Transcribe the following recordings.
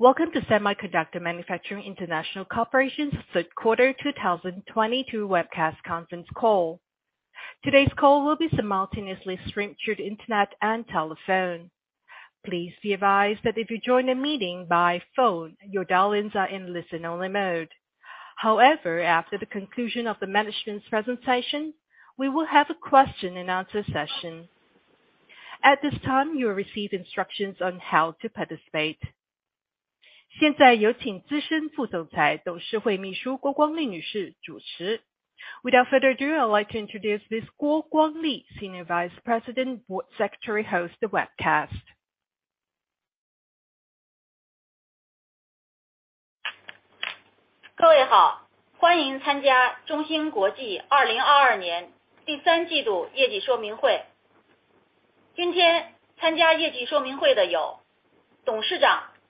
Welcome to Semiconductor Manufacturing International Corporation's Third Quarter 2022 Webcast Conference Call. Today's call will be simultaneously streamed through the internet and telephone. Please be advised that if you join the meeting by phone, your dial-ins are in listen-only mode. However, after the conclusion of the management's presentation, we will have a question and answer session. At this time, you will receive instructions on how to participate.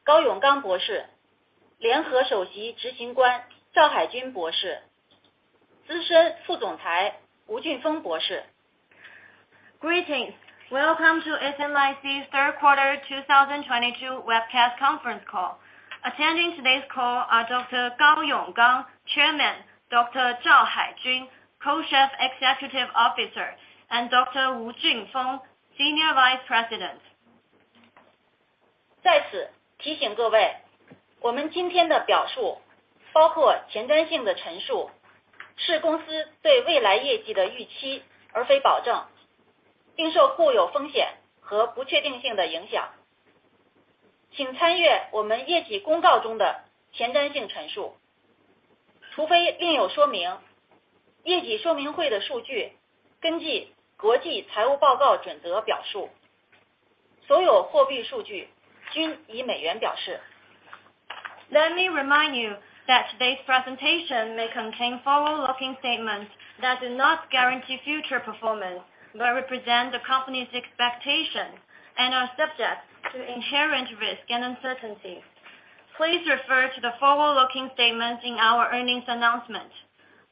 Welcome to SMIC's Third Quarter 2022 Webcast Conference Call. Attending today's call are Dr. Gao Yonggang, Chairman, Dr. Zhao Haijun, Co-Chief Executive Officer, and Dr. Wu Junfeng, Senior Vice President. Let me remind you that today's presentation may contain forward-looking statements that do not guarantee future performance, but represent the company's expectations and are subject to inherent risks and uncertainties. Please refer to the forward-looking statements in our earnings announcement.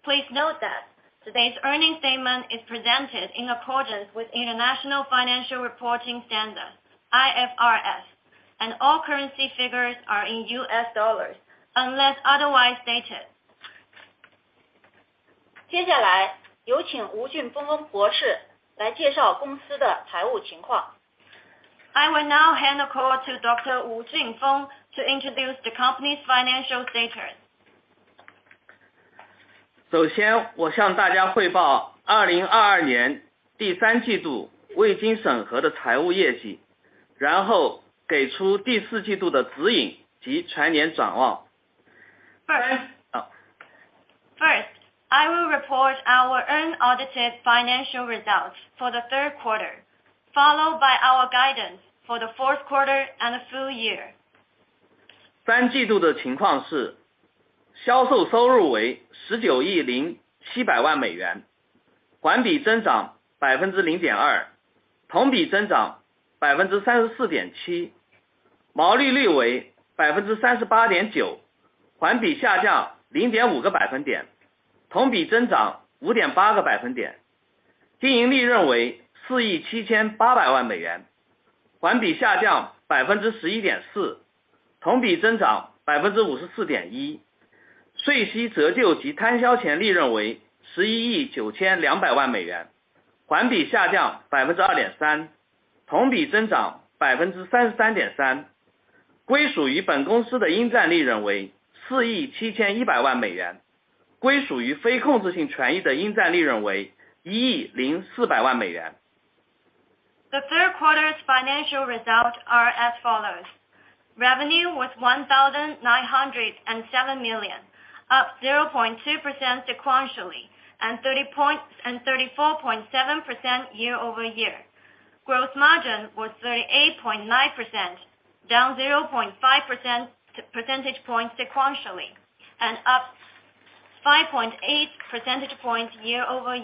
Please note that today's earnings statement is presented in accordance with International Financial Reporting Standards, IFRS, and all currency figures are in U.S. dollars unless otherwise stated. I will now hand the call to Dr. Wu Junfeng to introduce the company's financial data. First, I will report our unaudited financial results for the third quarter, followed by our guidance for the fourth quarter and full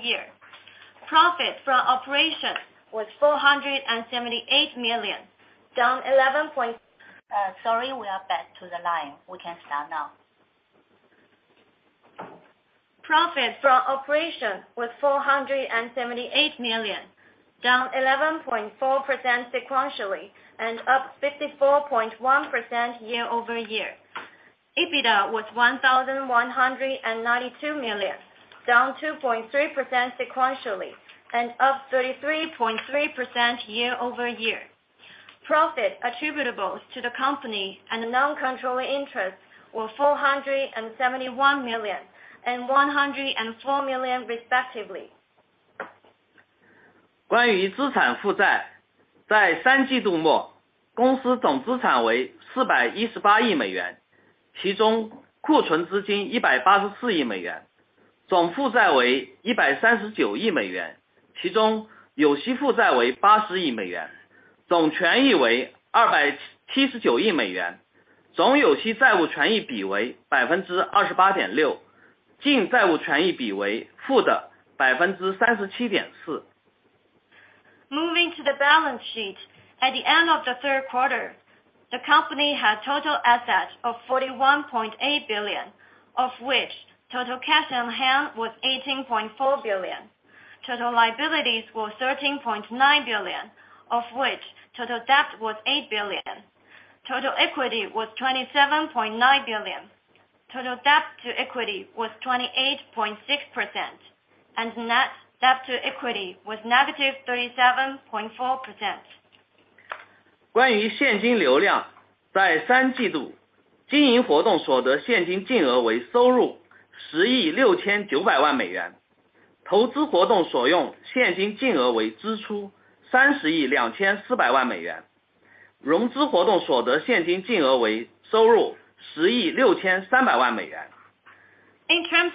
year. Profit from operations was $478 million, down 11.4% sequentially and up 54.1% year-over-year. EBITDA was $1,192 million, down 2.3% sequentially and up 33.3% year-over-year. Profit attributable to the company and non-controlling interests were $471 million and $104 million respectively. Moving to the balance sheet, at the end of the third quarter, the company had total assets of $41.8 billion, of which total cash on hand was $18.4 billion. Total liabilities were $13.9 billion, of which total debt was $8 billion. Total equity was $27.9 billion. Total debt to equity was 28.6% and net debt to equity was -37.4%. 关于现金流量，在三季度经营活动所得现金净额为收入$10.69亿美元，投资活动所用现金净额为支出$30.24亿美元，融资活动所得现金净额为收入$10.63亿美元。In terms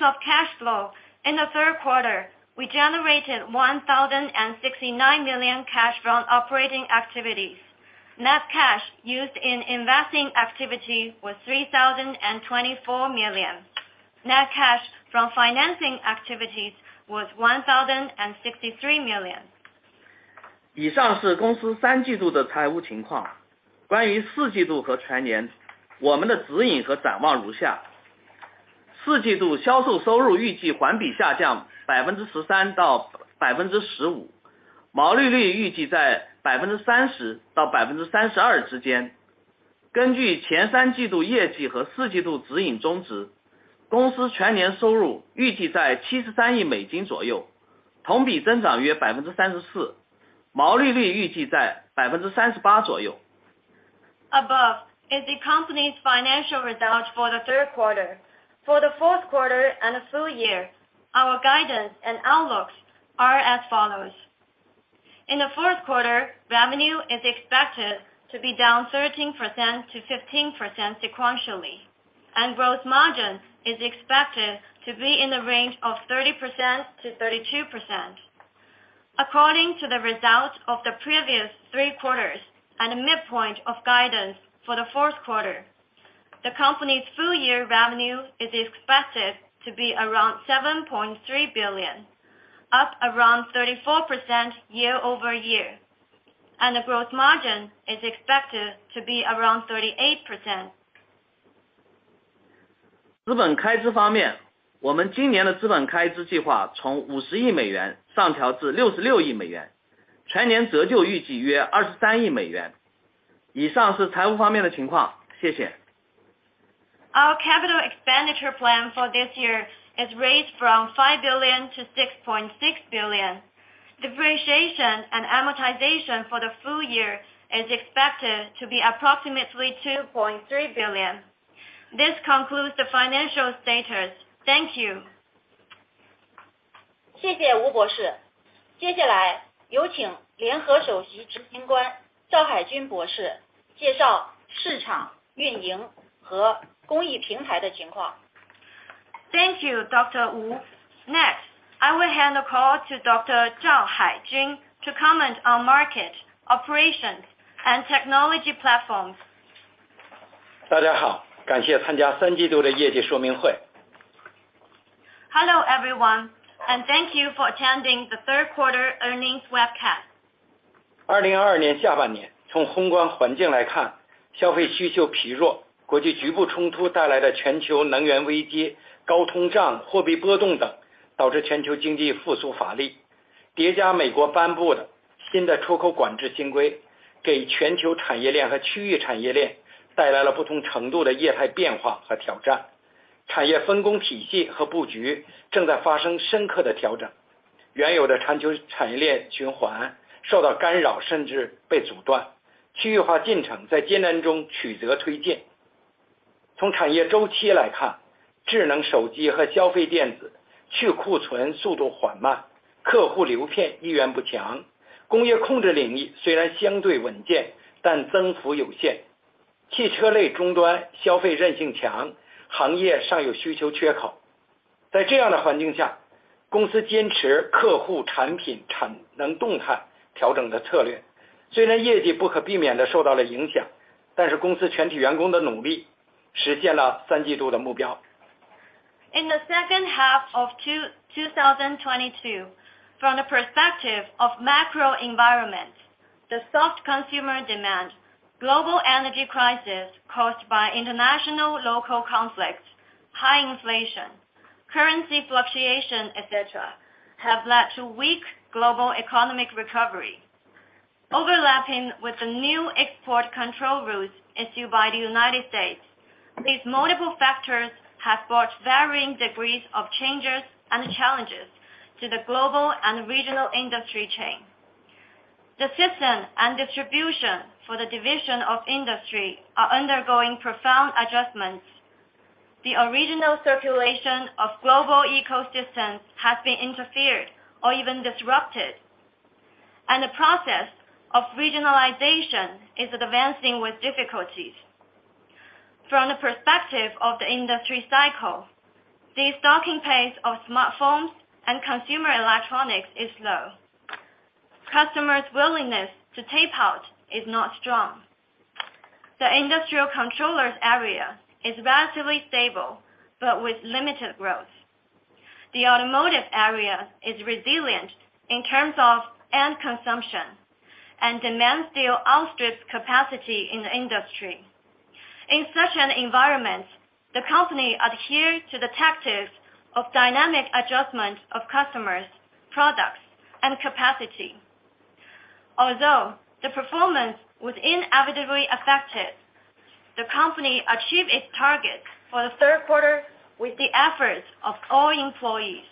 of cash flow, in the third quarter, we generated $1,069 million cash from operating activities. Net cash used in investing activity was $3,024 million. Net cash from financing activities was $1,063 million. 以上是公司三季度的财务情况。关于四季度和全年，我们的指引和展望如下。四季度销售收入预计环比下降13%到15%，毛利率预计在30%到32%之间。根据前三季度业绩和四季度指引中值，公司全年收入预计在73亿美金左右，同比增长约34%，毛利率预计在38%左右。Above is the company's financial results for the third quarter. For the fourth quarter and the full year, our guidance and outlooks are as follows. In the fourth quarter, revenue is expected to be down 13%-15% sequentially, and gross margin is expected to be in the range of 30%-32%. According to the results of the previous three quarters and a midpoint of guidance for the fourth quarter, the company's full year revenue is expected to be around $7.3 billion, up around 34% year-over-year, and the gross margin is expected to be around 38%. 资本开支方面，我们今年的资本开支计划从$50亿上调至$66亿，全年折旧预计约$23亿。以上是财务方面的情况。谢谢。Our capital expenditure plan for this year is raised from $5 billion-$6.6 billion. Depreciation and amortization for the full year is expected to be approximately $2.3 billion. This concludes the financial status. Thank you. 谢谢吴博士。接下来有请联合首席执行官赵海军博士介绍市场运营和工艺平台的情况。Thank you, Dr. Wu. Next, I will hand the call to Dr. Zhao Haijun to comment on market, operations, and technology platforms. 大家好，感谢参加三季度的业绩说明会。Hello everyone, and thank you for attending the third quarter earnings webcast. In the second half of 2022, from the perspective of macro environment, the soft consumer demand, global energy crisis caused by international local conflicts, high inflation, currency fluctuation, etc., have led to weak global economic recovery. Overlapping with the new export control rules issued by the United States, these multiple factors have brought varying degrees of changes and challenges to the global and regional industry chain. The system and distribution for the division of industry are undergoing profound adjustments. The original circulation of global ecosystems has been interfered or even disrupted, and the process of regionalization is advancing with difficulties. From the perspective of the industry cycle, the stocking pace of smartphones and consumer electronics is low. Customers' willingness to tape out is not strong. The industrial controllers area is relatively stable but with limited growth. The automotive area is resilient in terms of end consumption and demand still outstrips capacity in the industry. In such an environment, the company adhere to the tactics of dynamic adjustment of customers, products and capacity. Although the performance was inevitably affected, the company achieved its target for the third quarter with the efforts of all employees.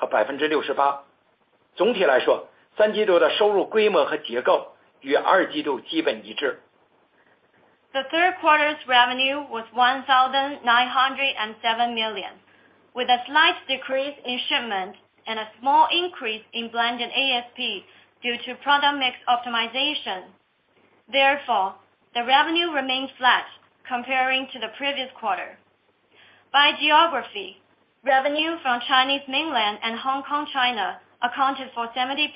The third quarter's revenue was $1,907 million, with a slight decrease in shipments and a small increase in blended ASP due to product mix optimization. Therefore, the revenue remained flat compared to the previous quarter. By geography, revenue from Chinese mainland and Hong Kong, China accounted for 70%.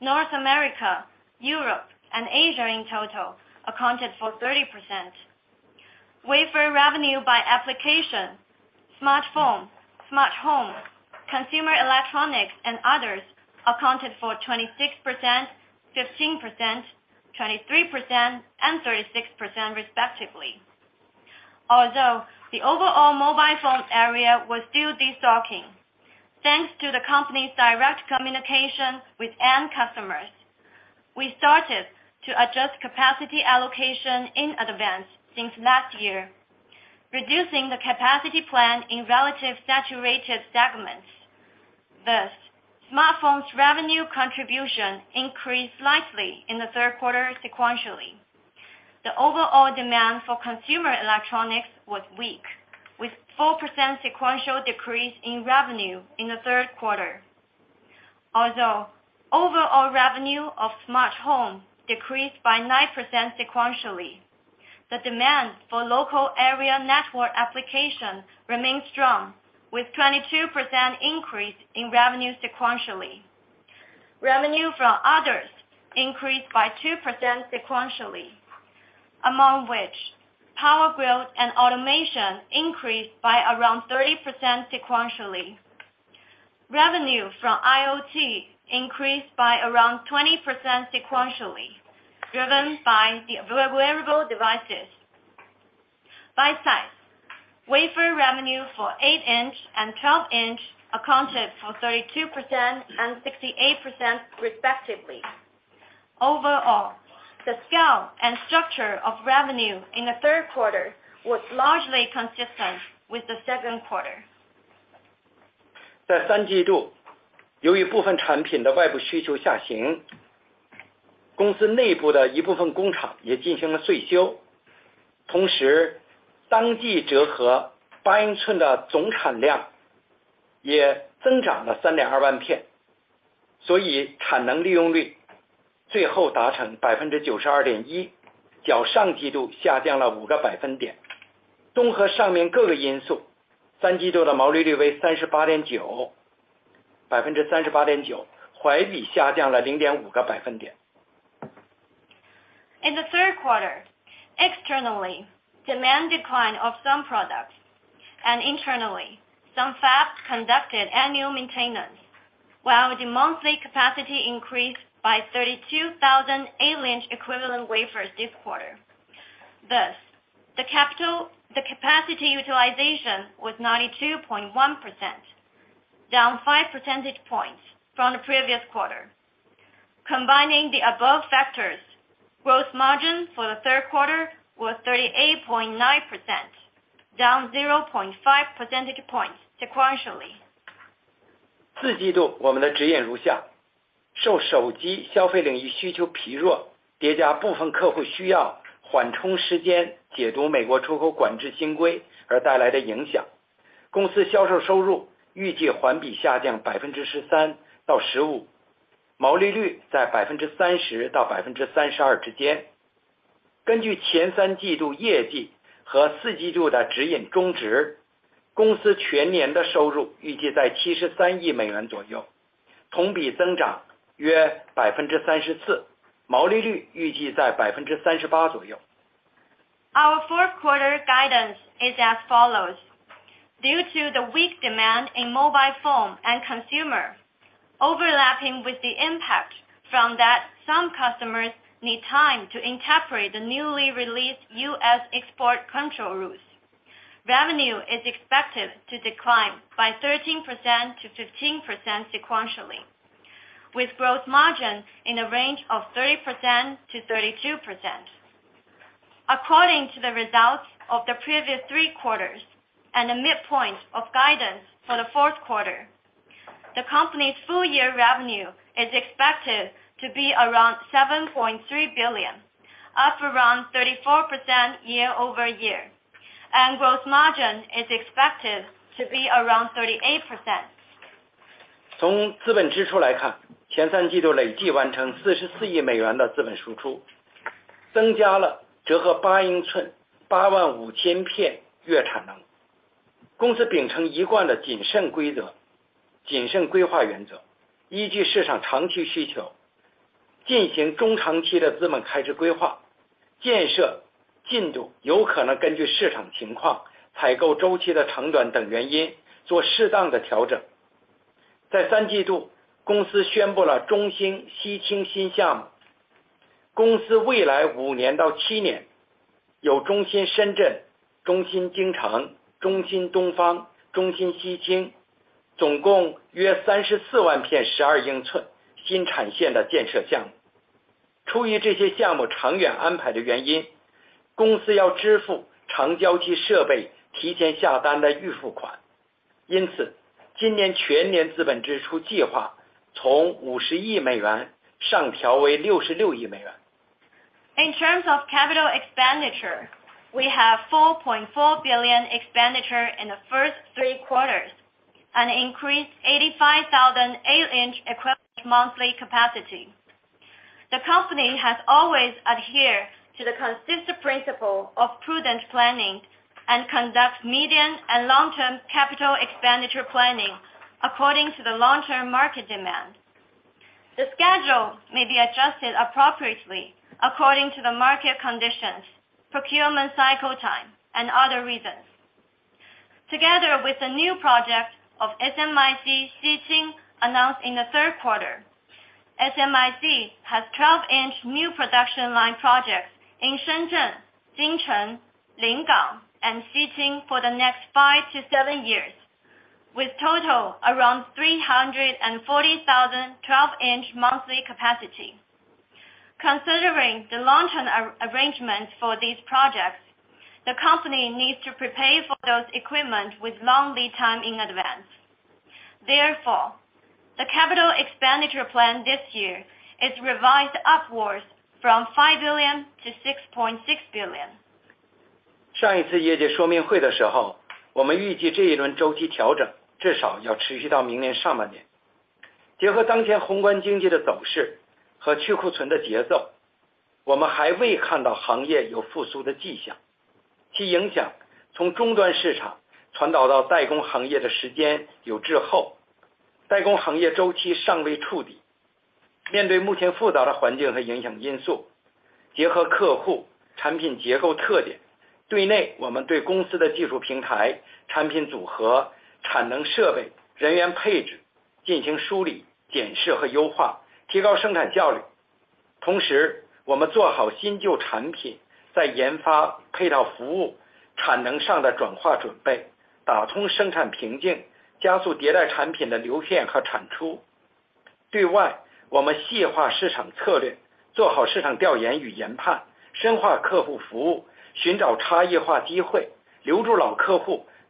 North America, Europe and Asia in total accounted for 30%. Wafer revenue by application, smartphone, smart home, consumer electronics and others accounted for 26%, 15%, 23% and 36% respectively. Although the overall mobile phone area was still de-stocking, thanks to the company's direct communication with end customers, we started to adjust capacity allocation in advance since last year, reducing the capacity plan in relatively saturated segments. Thus, smartphone's revenue contribution increased slightly in the third quarter sequentially. The overall demand for consumer electronics was weak, with 4% sequential decrease in revenue in the third quarter. Although overall revenue of smart home decreased by 9% sequentially, the demand for local area network application remained strong, with 22% increase in revenue sequentially. Revenue from others increased by 2% sequentially, among which power grid and automation increased by around 30% sequentially. Revenue from IoT increased by around 20% sequentially, driven by the available wearable devices. By size, wafer revenue for 8 in and 12 in accounted for 32% and 68% respectively. Overall, the scale and structure of revenue in the third quarter was largely consistent with the second quarter. 在三季度，由于部分产品的外部需求下行，公司内部的一部分工厂也进行了维修。同时当季折合八英寸的总产量也增长了3.2万片，所以产能利用率最后达成92.1%，较上季度下降了5个百分点。综合上面各个因素，三季度的毛利率为38.9%，环比下降了0.5个百分点。In the third quarter, externally, demand decline of some products and internally some fabs conducted annual maintenance while the monthly capacity increased by 32,000 8 in equivalent wafers this quarter. Thus, the capacity utilization was 92.1%, down 5 percentage points from the previous quarter. Combining the above factors, gross margin for the third quarter was 38.9%, down 0.5 percentage points sequentially. Our fourth quarter guidance is as follows. Due to the weak demand in mobile phone and consumer overlapping with the impact from that some customers need time to incorporate the newly released U.S. export control rules. Revenue is expected to decline by 13%-15% sequentially, with gross margin in a range of 30%-32%. According to the results of the previous three quarters and the midpoint of guidance for the fourth quarter, the company's full year revenue is expected to be around $7.3 billion, up around 34% year-over-year, and gross margin is expected to be around 38%. In terms of capital expenditure, we have $4.4 billion expenditure in the first three quarters, an increased 85,000 8 in equivalent monthly capacity. The company has always adhered to the consistent principle of prudent planning and conducts medium- and long-term capital expenditure planning according to the long-term market demand. The schedule may be adjusted appropriately according to the market conditions, procurement cycle time and other reasons. Together with the new project of SMIC Xiqing announced in the third quarter, SMIC has 12 in new production line projects in Shenzhen, Beijing, Lingang and Xiqing for the next five to seven years, with total around 340,000 12 in monthly capacity. Considering the long-term arrangements for these projects, the company needs to prepare for those equipment with long lead time in advance. Therefore, the capital expenditure plan this year is revised upwards from $5 billion-$6.6 billion.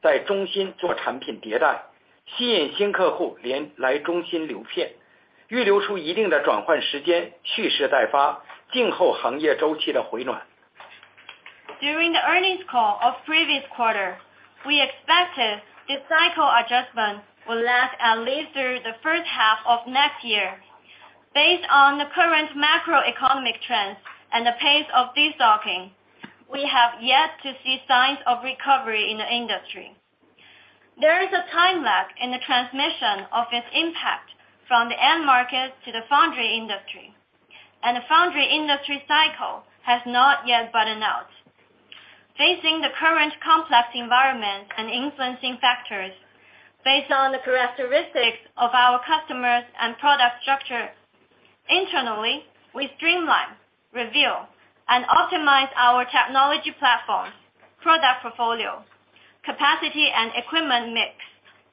During the earnings call of previous quarter, we expected this cycle adjustment will last at least through the first half of next year. Based on the current macroeconomic trends and the pace of destocking, we have yet to see signs of recovery in the industry. There is a time lag in the transmission of its impact from the end market to the foundry industry, and the foundry industry cycle has not yet bottomed out. Facing the current complex environment and influencing factors. Based on the characteristics of our customers and product structure. Internally, we streamline, review and optimize our technology platforms, product portfolio, capacity and equipment mix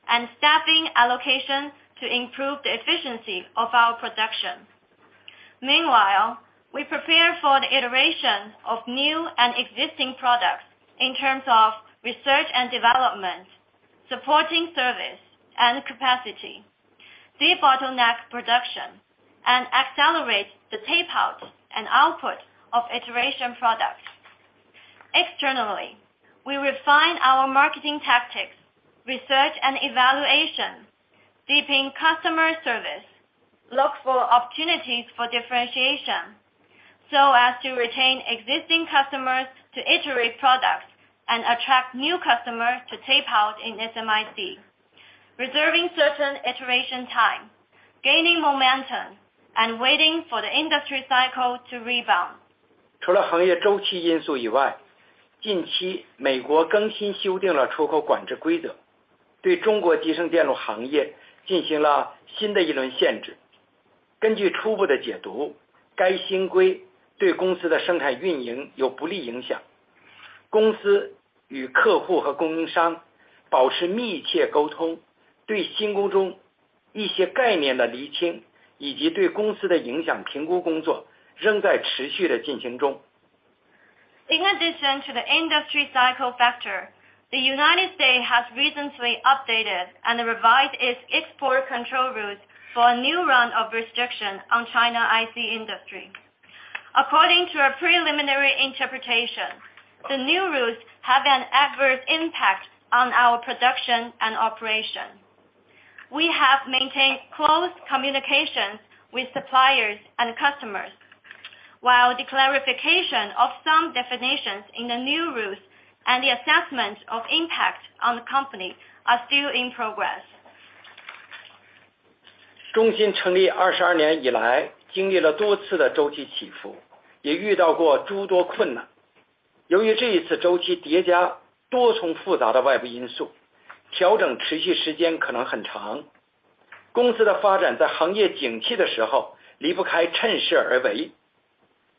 and staffing allocation to improve the efficiency of our production. Meanwhile, we prepare for the iteration of new and existing products in terms of research and development, supporting service and capacity. Debottleneck production and accelerate the tape out and output of iteration products. Externally, we refine our marketing tactics, research and evaluation, deepen customer service, look for opportunities for differentiation so as to retain existing customers to iterate products and attract new customers to tape out in SMIC, reserving certain iteration time, gaining momentum, and waiting for the industry cycle to rebound. In addition to the industry cycle factor, the United States has recently updated and revised its export control route for a new round of restriction on China IC industry. According to a preliminary interpretation, the new rules have an adverse impact on our production and operation. We have maintained close communications with suppliers and customers, while the clarification of some definitions in the new rules and the assessment of impact on the company are still in progress.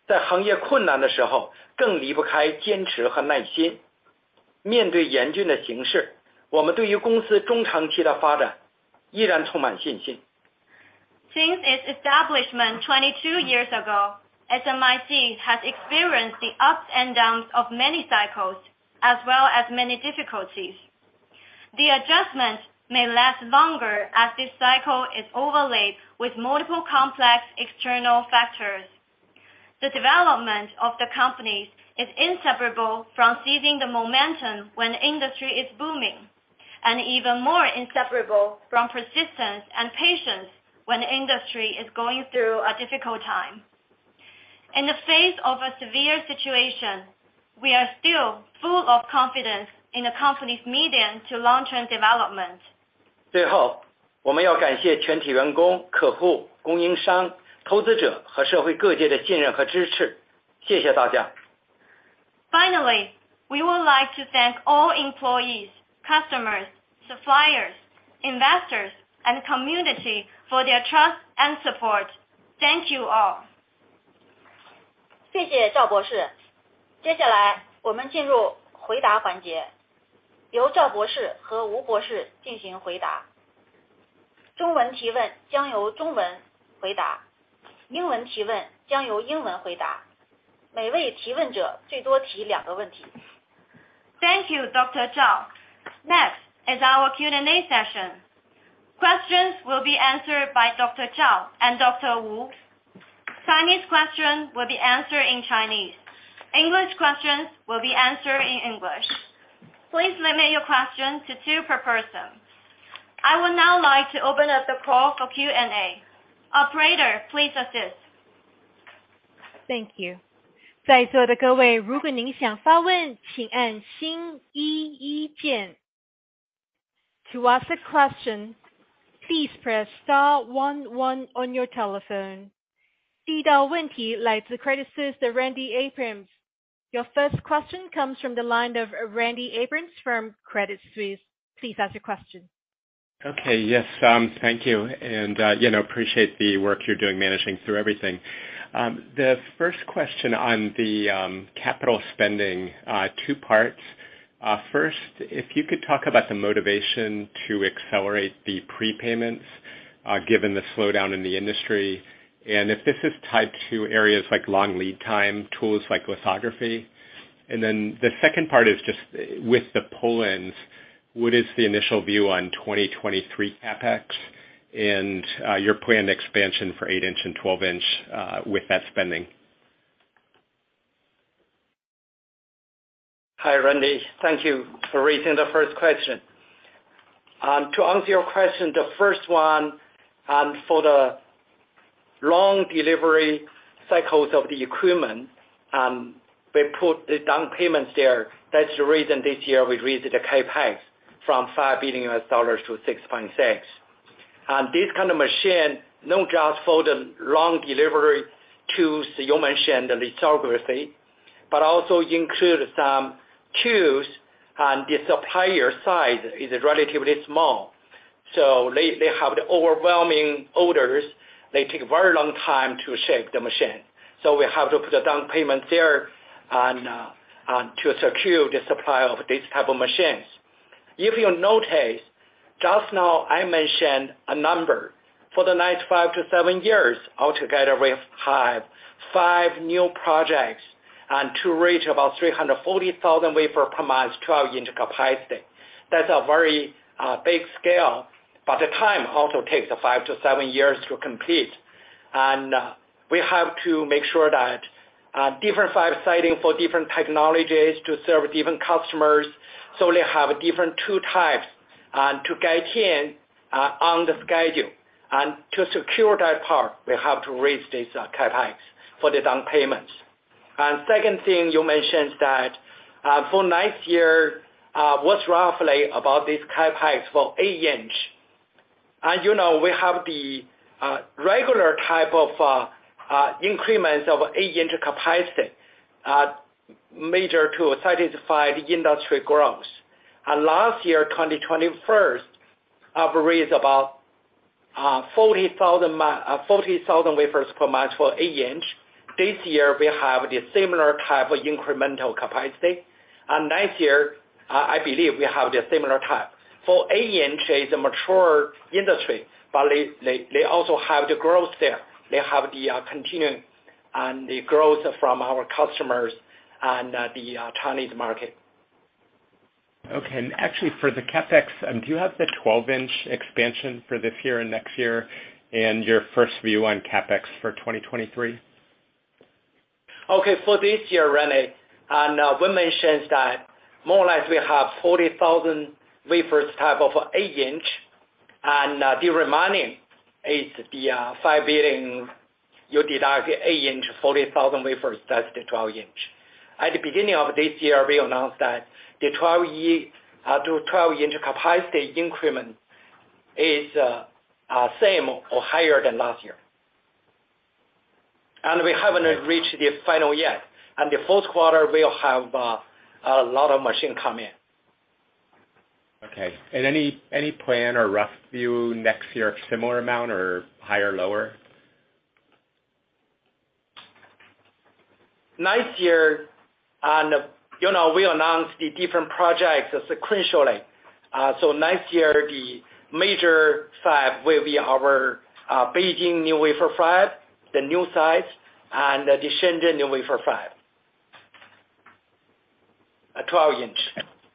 Since its establishment 22 years ago, SMIC has experienced the ups and downs of many cycles as well as many difficulties. The adjustment may last longer as this cycle is overlaid with multiple complex external factors. The development of the company is inseparable from seizing the momentum when industry is booming, and even more inseparable from persistence and patience when industry is going through a difficult time. In the face of a severe situation, we are still full of confidence in the company's medium to long-term development. Finally, we would like to thank all employees, customers, suppliers, investors, and community for their trust and support. Thank you all. Thank you, Zhao Haijun. Next is our Q&A session. Questions will be answered by Zhao Haijun and Dr. Wu. Chinese questions will be answered in Chinese. English questions will be answered in English. Please limit your questions to two per person. I would now like to open up the call for Q&A. Operator, please assist. Thank you. To ask a question, please press star one one on your telephone. Your first question comes from the line of Randy Abrams from Credit Suisse. Please ask your question. Okay. Yes, thank you, and, you know, appreciate the work you're doing managing through everything. The first question on the capital spending, two parts. First, if you could talk about the motivation to accelerate the prepayments, given the slowdown in the industry, and if this is tied to areas like long lead time, tools like lithography. Then the second part is just with the pull-ins, what is the initial view on 2023 CapEx and, your planned expansion for 8 in and 12 in, with that spending? Hi, Randy. Thank you for raising the first question. To answer your question, the first one, for the long delivery cycles of the equipment, we put the down payments there. That's the reason this year we raised the CapEx from $5 billion-$6.6 billion. This kind of machine, not just for the long delivery tools you mentioned, the lithography, but also include some tools on the supplier side is relatively small. So they have the overwhelming orders. They take a very long time to ship the machine. So we have to put a down payment there on to secure the supply of these type of machines. If you notice, just now I mentioned a number. For the next five to seven years altogether, we have five new projects and to reach about 340,000 wafers per month, 12 in capacity. That's a very big scale, but the time also takes five to seven years to complete. We have to make sure that different five sites for different technologies to serve different customers. They have different timelines, and to get in on the schedule. To secure that part, we have to raise this CapEx for the down payments. Second thing you mentioned that for next year, what's roughly about this CapEx for 8 in.? You know, we have the regular type of increments of 8 in capacity, mainly to satisfy the industry growth. Last year, 2021, we have raised about 40,000 wafers per month for 8 in. This year, we have the similar type of incremental capacity. Next year, I believe we have the similar type. For 8 in is a mature industry, but they also have the growth there. They have the continuing and the growth from our customers and the Chinese market. Okay. Actually for the CapEx, do you have the 12 in expansion for this year and next year, and your first view on CapEx for 2023? Okay. For this year, Randy, and we mentioned that more or less we have 40,000 wafers type of 8 in, and the remaining is the $5 billion. You deduct the 8 in, 40,000 wafers, that's the 12 in. At the beginning of this year, we announced that the 12 in capacity increment is same or higher than last year. We haven't reached the final yet. The fourth quarter will have a lot of machine come in. Okay. Any plan or rough view next year, similar amount or higher, lower? Next year, you know, we announced the different projects sequentially. Next year the major fab will be our Beijing new wafer fab, the new sites, and the Shenzhen new wafer fab. A 12 in.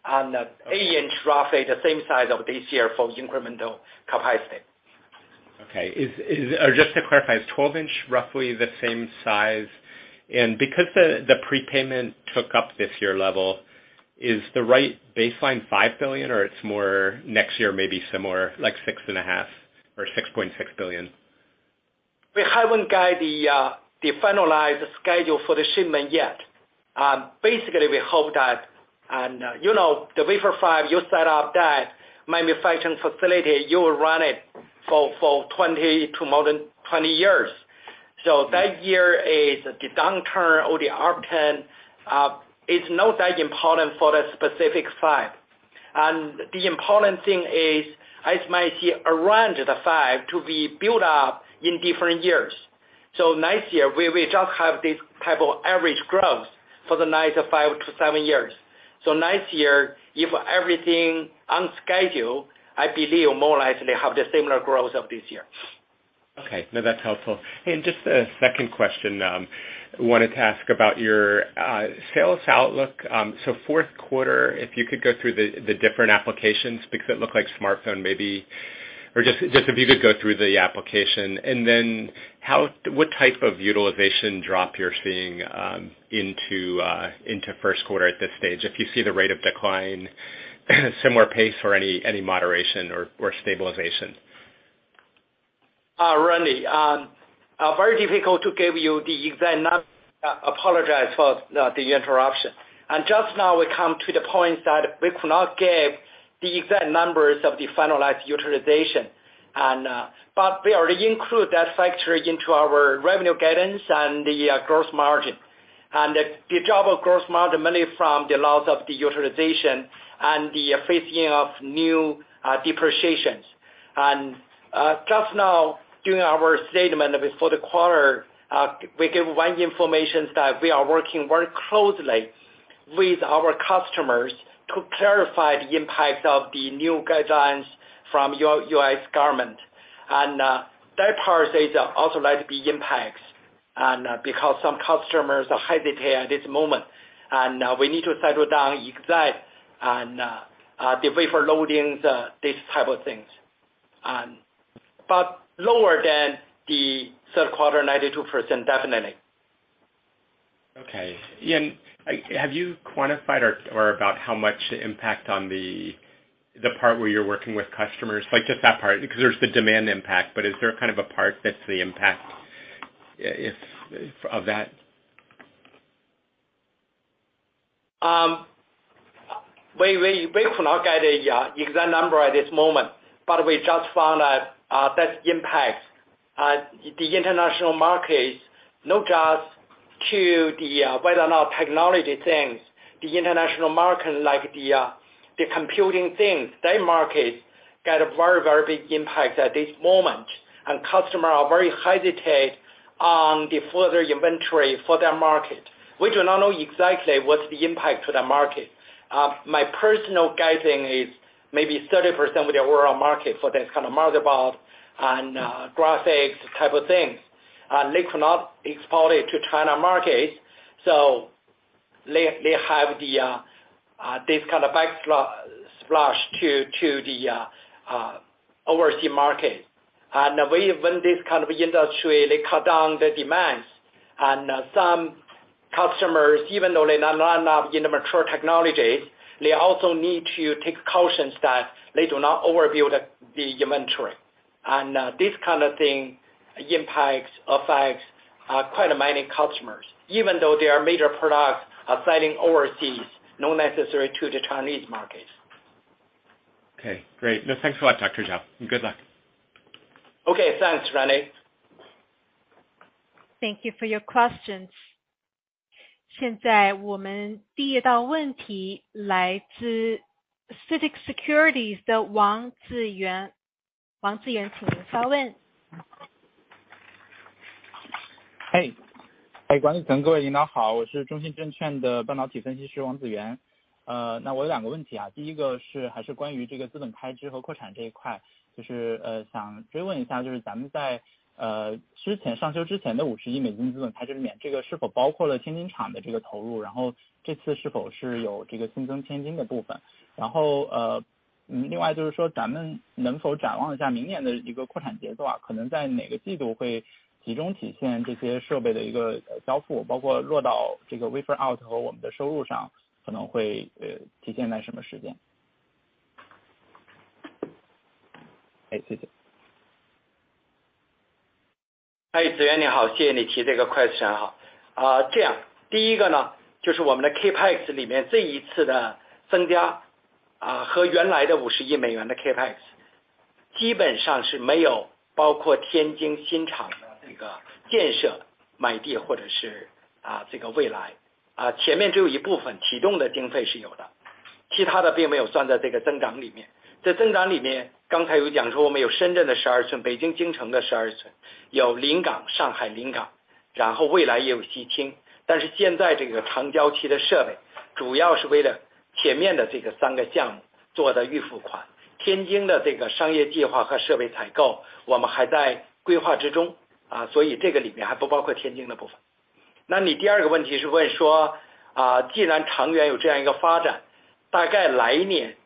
Okay. 8 in, roughly the same size of this year for incremental capacity. Okay. Or just to clarify, is 12 in roughly the same size? Because the prepayment took up this year level, is the right baseline $5 billion or it's more next year maybe similar, like $6.5 billion or $6.6 billion? We haven't got the finalized schedule for the shipment yet. Basically, we hope that, you know, the wafer fab you set up that manufacturing facility, you will run it for 20 to more than 20 years. That year is the downturn or the upturn, it's not that important for the specific fab. The important thing is, as you might see around the fab to be built up in different years. Next year, we will just have this type of average growth for the next five to seven years. Next year, if everything on schedule, I believe more or less we have the similar growth of this year. Okay. No, that's helpful. Just a second question wanted to ask about your sales outlook. Fourth quarter, if you could go through the different applications because it looked like smartphone maybe. Just if you could go through the application and then what type of utilization drop you're seeing into first quarter at this stage. If you see the rate of decline similar pace or any moderation or stabilization? Randy, very difficult to give you the exact apologize for the interruption. Just now we come to the point that we could not give the exact numbers of the finalized utilization. We already include that factor into our revenue guidance and the gross margin. The drop of gross margin mainly from the loss of the utilization and the phasing of new depreciations. Just now during our statement for the quarter, we give one information that we are working very closely with our customers to clarify the impact of the new guidelines from U.S. government. That part is also likely impacts and because some customers are hesitate at this moment. We need to settle down exact and the wafer loadings, these type of things. Lower than the third quarter, 92%, definitely. Okay. Like, have you quantified or about how much the impact on the part where you're working with customers, like just that part? Because there's the demand impact, but is there kind of a part that's the impact of that? We could not get an exact number at this moment, but we just found that that impact the international markets, not just to the whether or not technology things, the international market like the computing things, that market got a very, very big impact at this moment. Customers are very hesitant on the further inventory for that market. We do not know exactly what's the impact to that market. My personal guessing is maybe 30% of the overall market for this kind of motherboard and graphics type of things. They cannot export it to China market, so they have this kind of backsplash to the overseas market. The way when this kind of industry they cut down the demands and some customers even though they are not in the mature technologies, they also need to take caution that they do not overbuild the inventory. This kind of thing impacts, affects quite many customers, even though their major products are selling overseas, not necessary to the Chinese market. Okay, great, thanks a lot Dr. Zhao. Good luck. Okay, thanks Randy. Thank you for your questions。现在我们第一道问题来自CITIC Securities的王紫源，王紫源，请您发问。out和我们的收入上，可能会体现在什么时间？谢谢。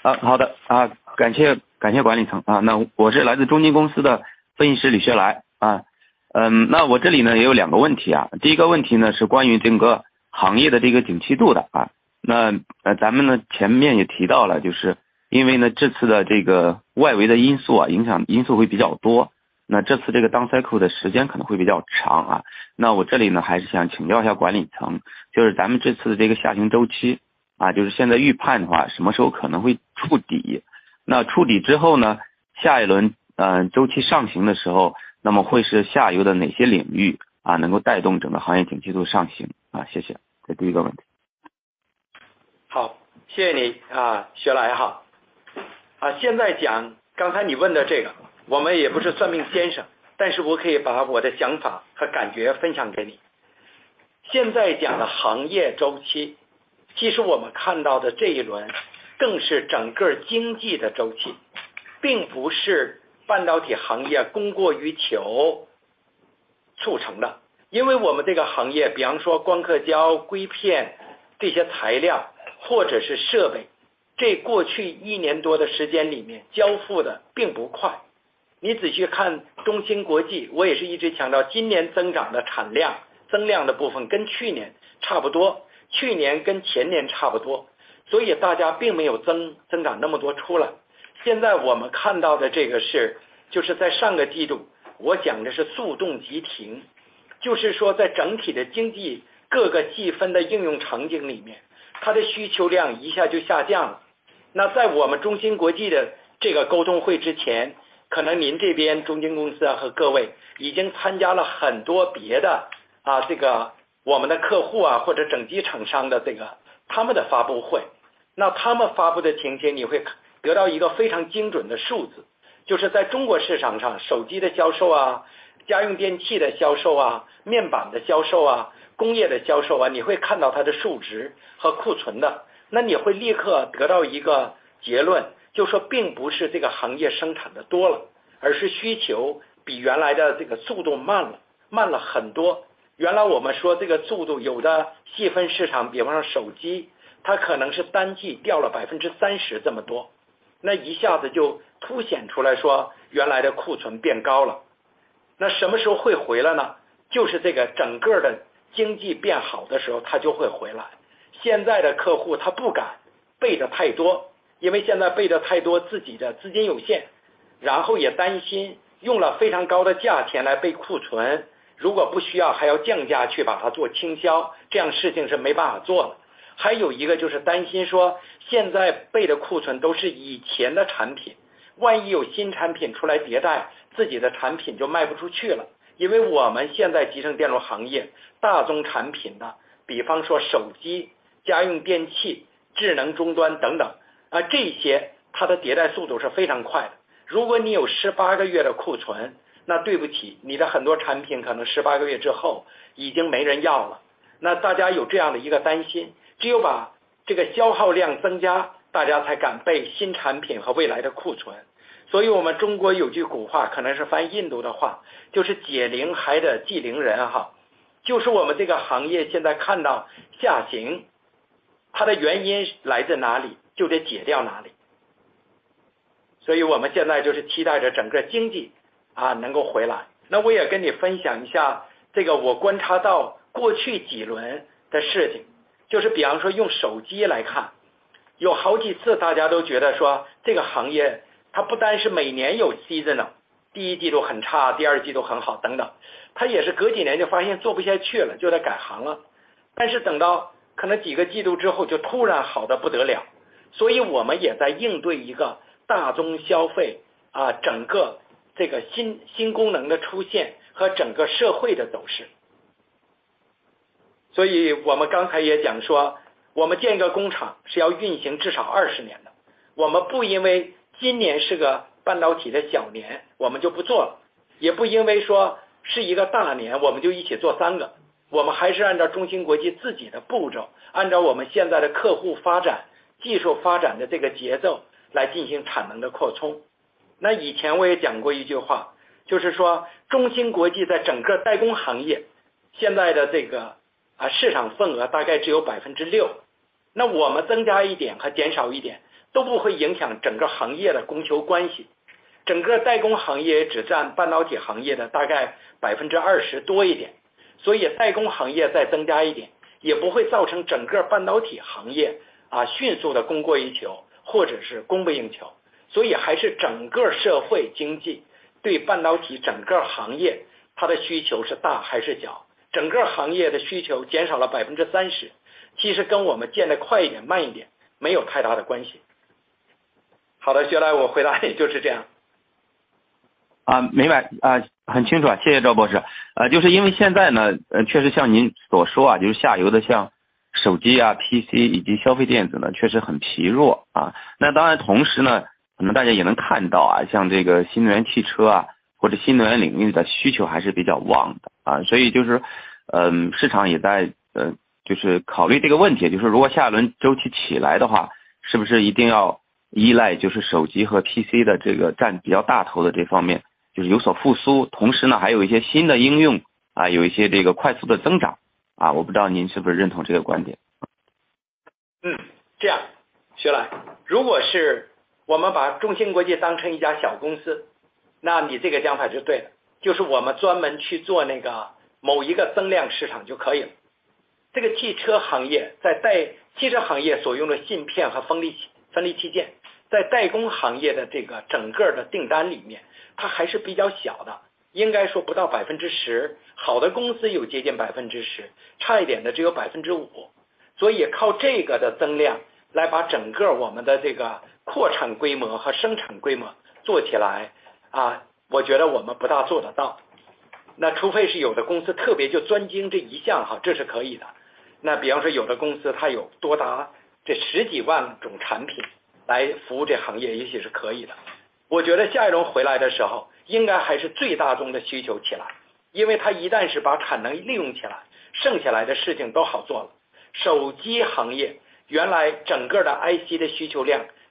overdo，去做得太多，但是要保证我们的计划有一定的保险系数。那这样呢，就是刚才你问说到底对未来的计划有多少，我们只增加了$15亿的 down payment，跟我们要进行的这么大的一个未来的规划比起来，其实这个还是很少的部分。但是刚才我也讲说，它最大的保险在于说我可以保证前面的第一波到，比方说我保证第一个三万片，那这个是一定能做到的。第二个三万片在第一个三万片的后面，它交期长一点就没问题了。怕的是你第一个三万片就是半拉，那第二个也是半拉，那这样就影响永远持续下去了。所以我们就是保险系数，主要是在这样一个做法上面。那第二个刚才你问的问题是，就是你刚才问的这问题里面。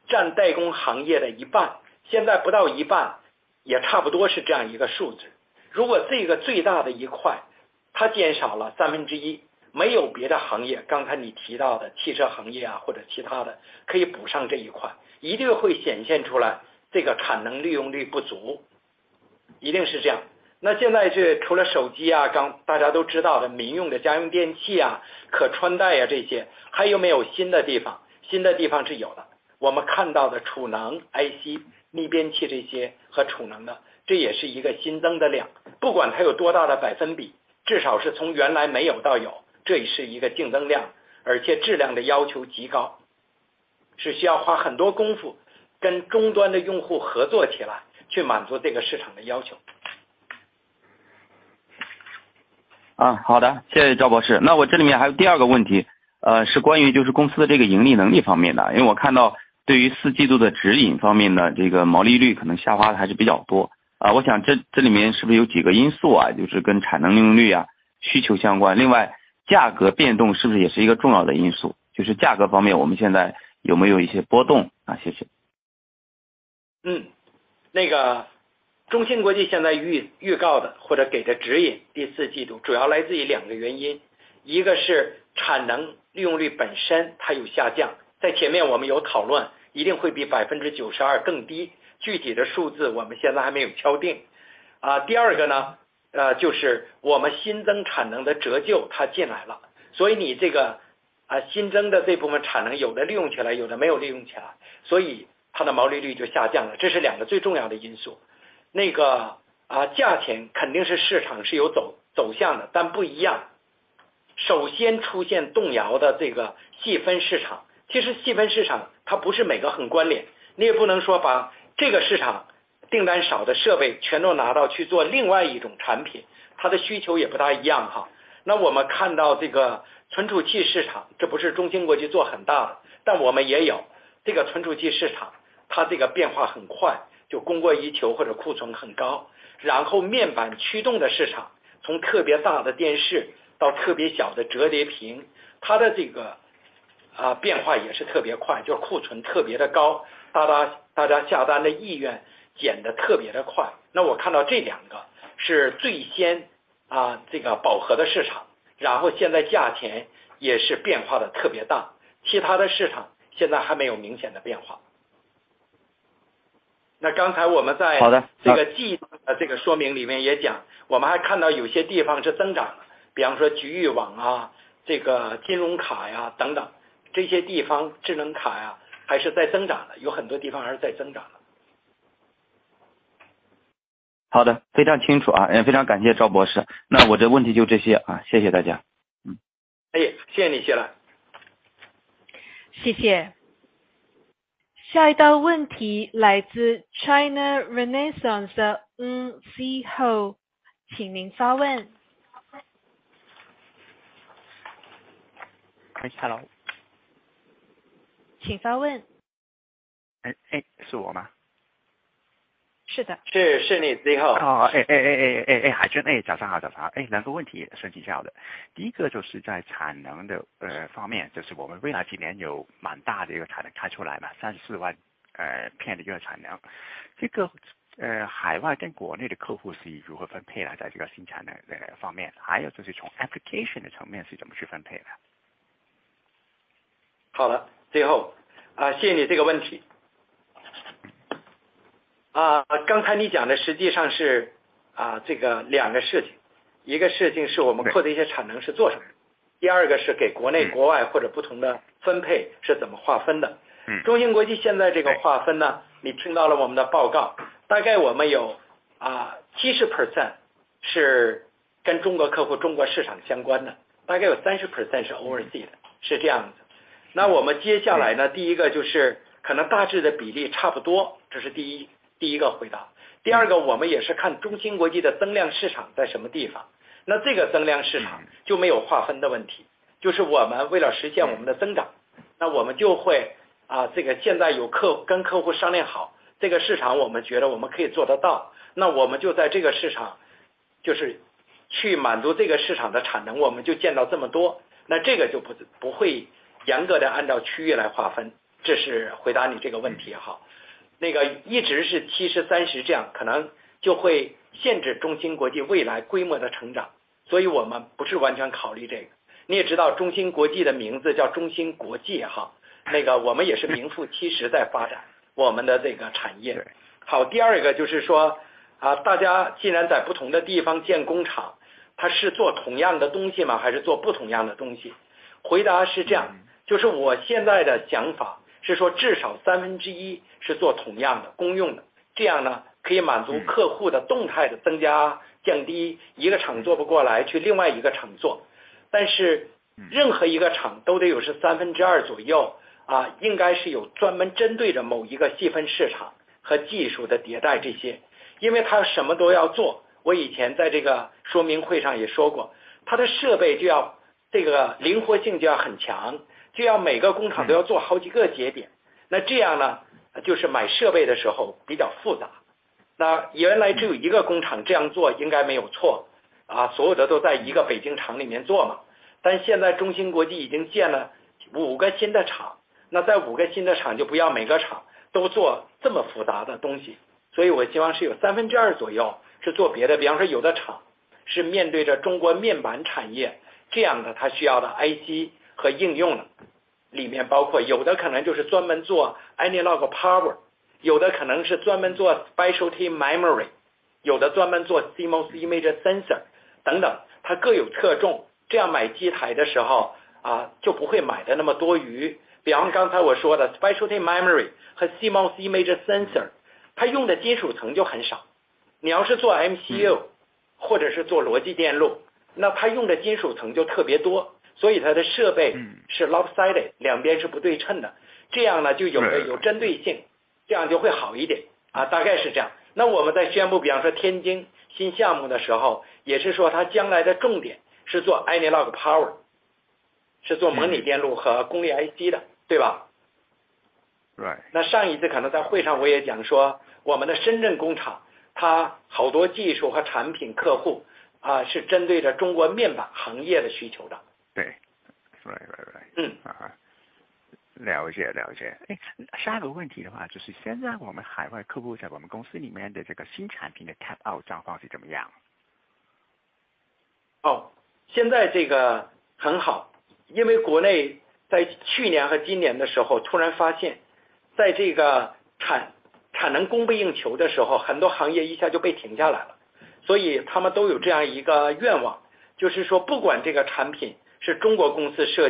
好的，非常清楚啊，也非常感谢赵博士。那我这问题就这些啊，谢谢大家。谢谢你，谢了。谢谢。下一道问题来自China Renaissance的TY Chiu，请您发问。Hello。请发问。诶，是我吗？ 是的。是，是你，TY Chiu。海君，早上好。两个问题，顺其自然的。第一个就是在产能方面，就是我们未来几年有蛮大的一个产能开出来嘛，34万片的产能，这个海外跟国内的客户是如何分配的在这个新产能这个方面，还有就是从application的层面是怎么去分配的？ 好了，TY Chiu，谢谢你这个问题。刚才你讲的实际上是这两个事情，一个事情是我们扩的一些产能是做什么，第二个是给国内国外或者不同的分配是怎么划分的。Mm-hmm. Right. power，有的可能是专门做specialty memory，有的专门做CMOS image sensor等等，它各有侧重，这样买机台的时候，就不会买的那么多余。比方刚才我说的specialty memory和CMOS image sensor，它用的金属层就很少，你要是做MCU或者是做逻辑电路，那它用的金属层就特别多，所以它的设备—— Mm-hmm. 是 lopsided，两边是不对称的，这样呢就有的 Right. 有针对性，这样就会好一点，大概是这样。那我们在宣布，比方说天津新项目的时候，也是说它将来的重点是做analog power，是做 Mm-hmm. 模拟电路和功率IC的，对吧？ Right。上一次可能在会上我也讲说，我们的深圳工厂，它好多技术和产品客户，是针对着中国面板行业的需求的。对. Right, right. Mm-hmm. 了解，了解。诶，下一个问题的话就是现在我们海外客户在我们公司里面的这个新产品的tape out状况是怎么样？ Mm-hmm.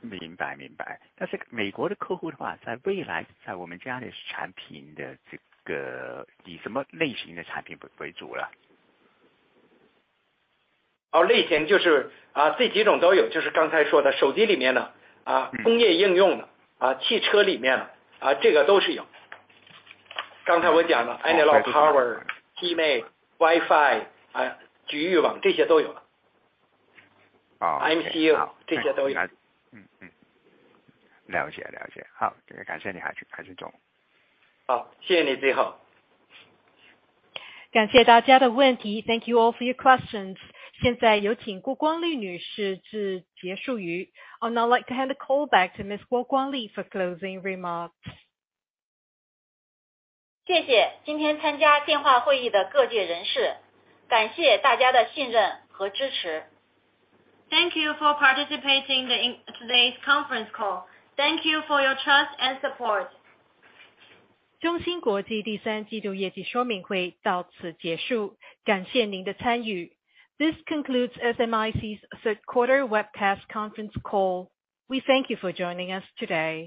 明白，明白。但是美国的客户的话，在未来在我们家的产品的这个以什么类型的产品为主啊？ 类型就是，这几种都有，就是刚才说的手机里面的。Mm-hmm. 工业应用的，汽车里面的，这个都是有。刚才我讲了analog power、TDDI、WiFi、局域网这些都有。Oh. MCU 这些都有。了解，了解。好，感谢你，海君，海君总。好，谢谢你，TY Chiu。感谢大家的问题。Thank you all for your questions. 现在有请顾光丽女士致结束语。I'd now like to hand the call back to Ms. Guo Guangli for closing remarks. 谢谢今天参加电话会议的各界人士，感谢大家的信任和支持。Thank you for participating in today's conference call. Thank you for your trust and support. 中芯国际第三季度业绩说明会到此结束，感谢您的参与. This concludes SMIC's Third Quarter Webcast Conference Call. We thank you for joining us today.